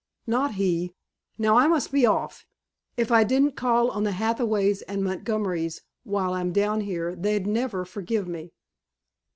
"Not he. Now, I must be off. If I didn't call on the Hathaways and Montgomerys while I'm down here they'd never forgive me."